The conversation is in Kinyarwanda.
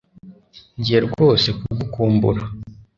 Ngiye rwose kugukumbura